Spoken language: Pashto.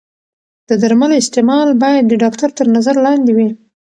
د درملو استعمال باید د ډاکتر تر نظر لاندې وي.